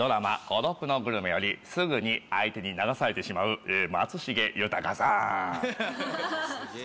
『孤独のグルメ』よりすぐに相手に流されてしまう松重豊さん。